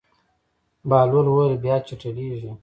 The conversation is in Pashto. بهلول وویل: بیا چټلېږي.